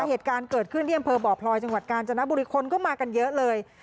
เหตุการณ์เกิดขึ้นที่อำเภอบ่อพลอยจังหวัดกาญจนบุรีคนก็มากันเยอะเลย